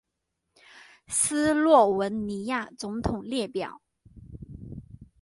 斯洛文尼亚总统列表